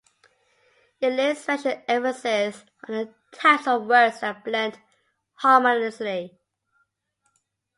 It lays special emphasis on the types of words that blend harmoniously.